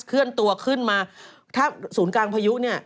เคลื่อนตัวขึ้นมาถ้าศูนย์กลางพายุเนี่ย